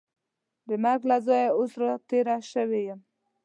د مرګ له ځایه اوس را تېره شوې یم.